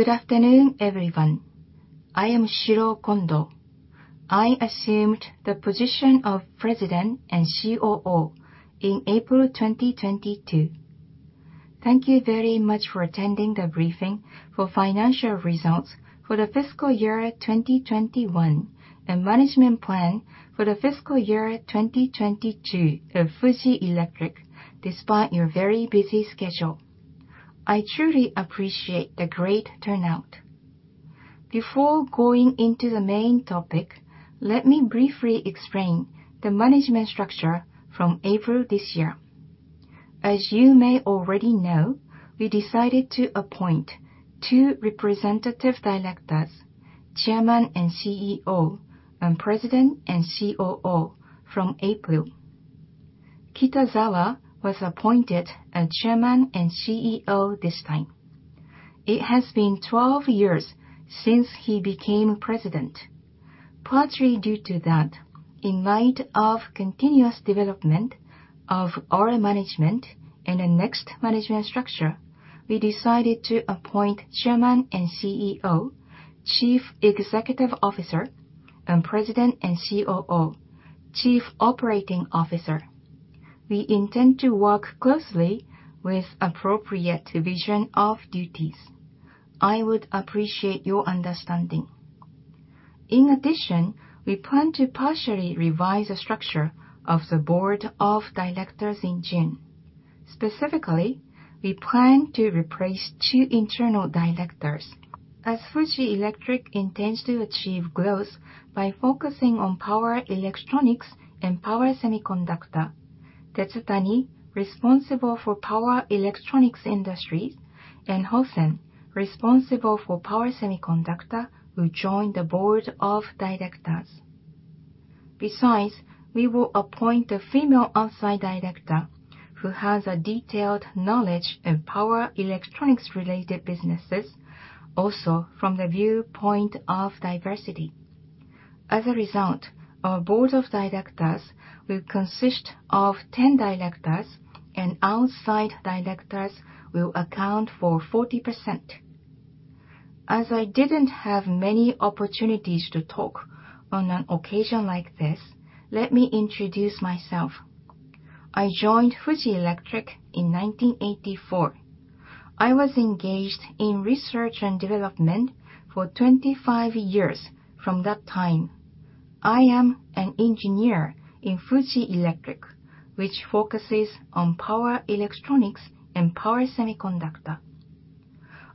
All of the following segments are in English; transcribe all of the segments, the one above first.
Good afternoon, everyone. I am Shiro Kondo. I assumed the position of President and COO in April 2022. Thank you very much for attending the briefing for financial results for the fiscal year 2021 and management plan for the fiscal year 2022 of Fuji Electric, despite your very busy schedule. I truly appreciate the great turnout. Before going into the main topic, let me briefly explain the management structure from April this year. As you may already know, we decided to appoint two representative directors, Chairman and CEO, and President and COO from April. Kitazawa was appointed as Chairman and CEO this time. It has been 12 years since he became President. Partly due to that, in light of continuous development of our management and the next management structure, we decided to appoint Chairman and CEO, Chief Executive Officer, and President and COO, Chief Operating Officer. We intend to work closely with appropriate division of duties. I would appreciate your understanding. In addition, we plan to partially revise the structure of the Board of Directors in June. Specifically, we plan to replace two internal directors. As Fuji Electric intends to achieve growth by focusing on power electronics and power semiconductor, Tetsutani, responsible for power electronics industry, and Hosen, responsible for power semiconductor, will join the Board of Directors. Besides, we will appoint a female outside director who has a detailed knowledge in power electronics related businesses, also from the viewpoint of diversity. As a result, our Board of Directors will consist of 10 directors and outside directors will account for 40%. As I didn't have many opportunities to talk on an occasion like this, let me introduce myself. I joined Fuji Electric in 1984. I was engaged in research and development for 25 years from that time. I am an engineer in Fuji Electric, which focuses on power electronics and power semiconductor.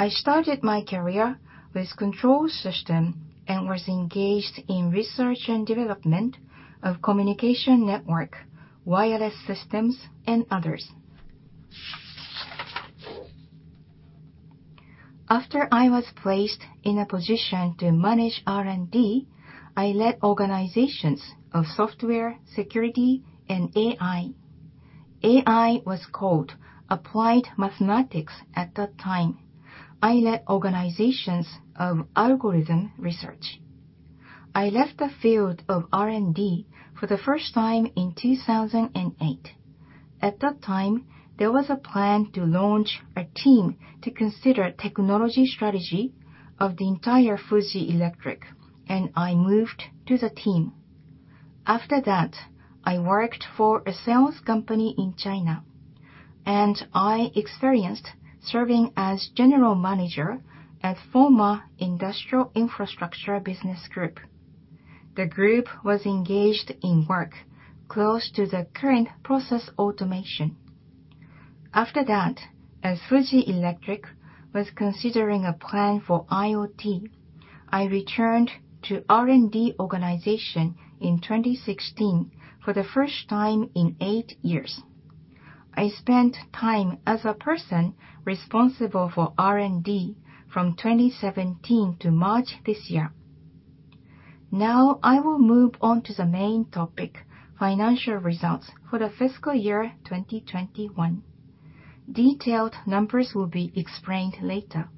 I started my career with control system and was engaged in research and development of communication network, wireless systems, and others. After I was placed in a position to manage R&D, I led organizations of software security and AI. AI was called applied mathematics at that time. I led organizations of algorithm research. I left the field of R&D for the first time in 2008. At that time, there was a plan to launch a team to consider technology strategy of the entire Fuji Electric, and I moved to the team. After that, I worked for a sales company in China, and I experienced serving as General Manager at former Industrial Infrastructure Business Group. The group was engaged in work close to the current process automation. After that, as Fuji Electric was considering a plan for IoT, I returned to R&D organization in 2016 for the first time in eight years. I spent time as a person responsible for R&D from 2017 to March this year. Now I will move on to the main topic, financial results for the fiscal year 2021. Detailed numbers will be explained later.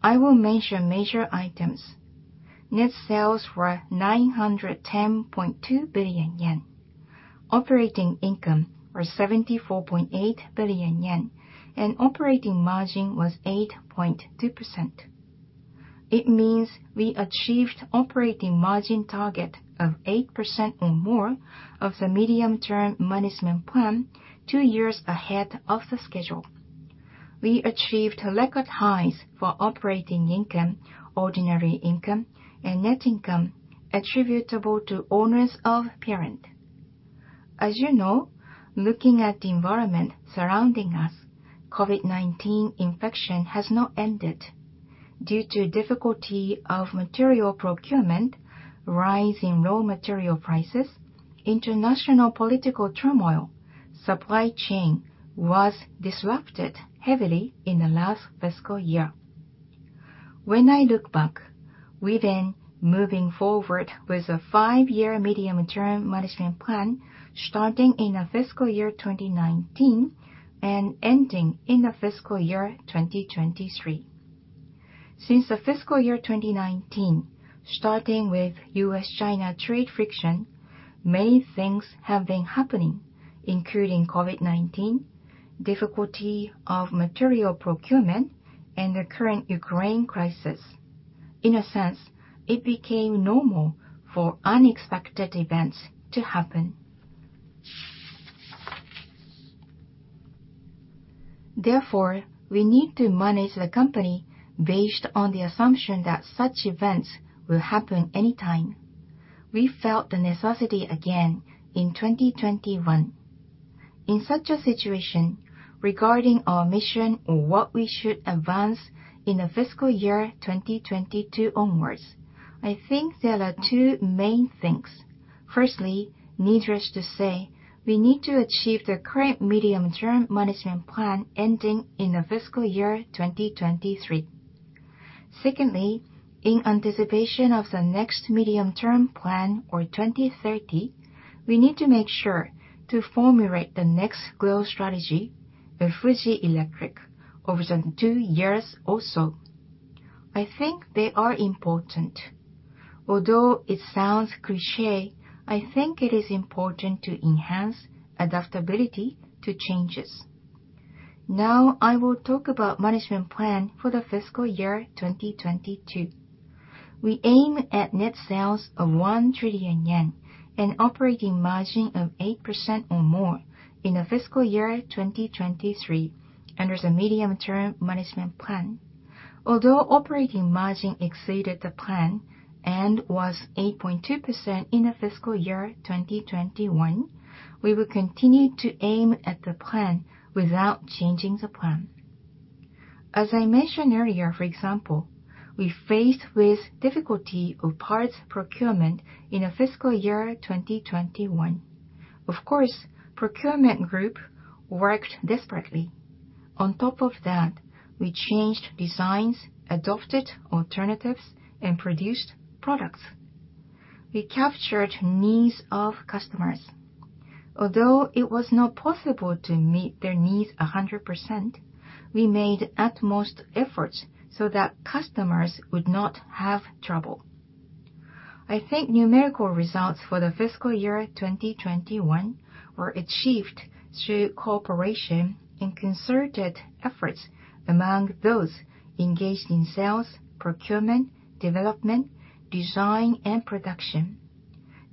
I will mention major items. Net sales were 910.2 billion yen. Operating income was 74.8 billion yen, and operating margin was 8.2%. It means we achieved operating margin target of 8% or more of the medium-term management plan two years ahead of the schedule. We achieved record highs for operating income, ordinary income, and net income attributable to owners of parent. As you know, looking at the environment surrounding us, COVID-19 infection has not ended. Due to difficulty of material procurement, rise in raw material prices, international political turmoil, supply chain was disrupted heavily in the last fiscal year. When I look back, we've been moving forward with a five-year medium-term management plan starting in the fiscal year 2019 and ending in the fiscal year 2023. Since the fiscal year 2019, starting with US-China trade friction, many things have been happening, including COVID-19, difficulty of material procurement, and the current Ukraine crisis. In a sense, it became normal for unexpected events to happen. Therefore, we need to manage the company based on the assumption that such events will happen anytime. We felt the necessity again in 2021. In such a situation, regarding our mission or what we should advance in the fiscal year 2022 onwards, I think there are two main things. Firstly, needless to say, we need to achieve the current medium-term management plan ending in the fiscal year 2023. Secondly, in anticipation of the next medium-term plan for 2030, we need to make sure to formulate the next growth strategy of Fuji Electric over the two years or so. I think they are important. Although it sounds cliché, I think it is important to enhance adaptability to changes. Now I will talk about management plan for the fiscal year 2022. We aim at net sales of 1 trillion yen and operating margin of 8% or more in the fiscal year 2023 under the medium-term management plan. Although operating margin exceeded the plan and was 8.2% in the fiscal year 2021, we will continue to aim at the plan without changing the plan. As I mentioned earlier, for example, we faced with difficulty of parts procurement in the fiscal year 2021. Of course, procurement group worked desperately. On top of that, we changed designs, adopted alternatives, and produced products. We captured needs of customers. Although it was not possible to meet their needs 100%, we made utmost efforts so that customers would not have trouble. I think numerical results for the fiscal year 2021 were achieved through cooperation and concerted efforts among those engaged in sales, procurement, development, design, and production.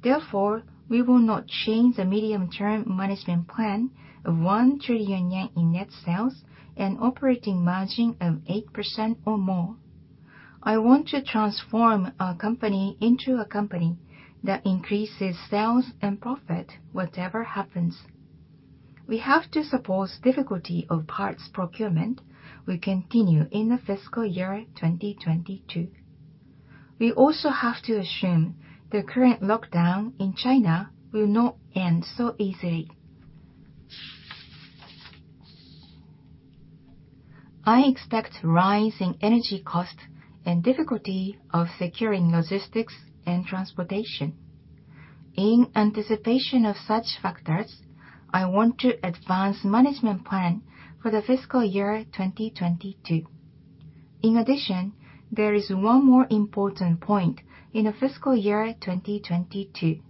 Therefore, we will not change the medium-term management plan of 1 trillion yen in net sales and operating margin of 8% or more. I want to transform our company into a company that increases sales and profit, whatever happens. We have to suppose difficulty of parts procurement will continue in the fiscal year 2022. We also have to assume the current lockdown in China will not end so easily. I expect rising energy costs and difficulty of securing logistics and transportation. In anticipation of such factors, I want to advance management plan for the fiscal year 2022. In addition, there is one more important point in the fiscal year 2022.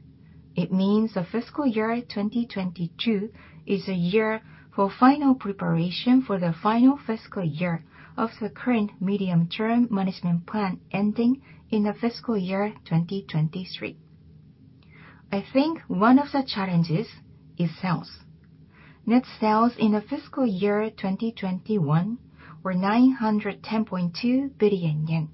It means the fiscal year 2022 is a year for final preparation for the final fiscal year of the current medium-term management plan ending in the fiscal year 2023. I think one of the challenges is sales. Net sales in the fiscal year 2021 were 910.2 billion yen.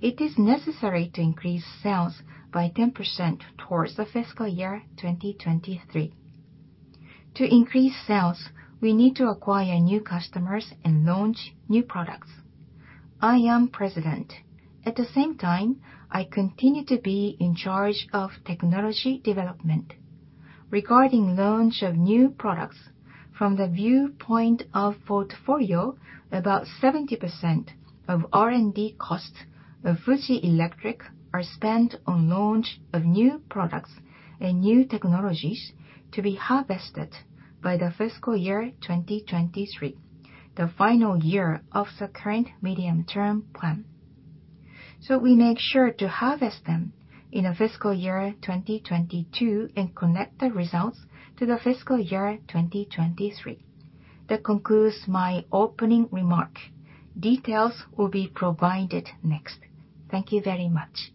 It is necessary to increase sales by 10% towards the fiscal year 2023. To increase sales, we need to acquire new customers and launch new products. I am President. At the same time, I continue to be in charge of technology development. Regarding launch of new products, from the viewpoint of portfolio, about 70% of R&D costs of Fuji Electric are spent on launch of new products and new technologies to be harvested by the fiscal year 2023, the final year of the current medium-term plan. We make sure to harvest them in the fiscal year 2022 and connect the results to the fiscal year 2023. That concludes my opening remark. Details will be provided next. Thank you very much.